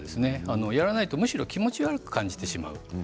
やらないとむしろ気持ち悪く感じてしまう。